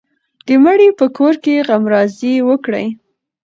د مړي په کور کې غمرازي وکړئ.